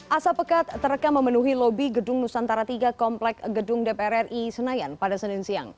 asap pekat terekam memenuhi lobi gedung nusantara tiga komplek gedung dpr ri senayan pada senin siang